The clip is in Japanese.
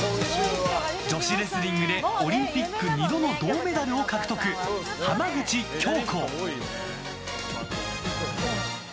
女子レスリングでオリンピック２度の銅メダルを獲得、浜口京子。